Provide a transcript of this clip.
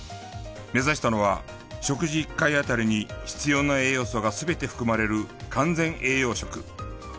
目指したのは食事１回当たりに必要な栄養素が全て含まれる完全栄養食。